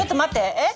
えっ？